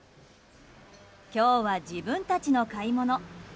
今日は自分たちの買い物。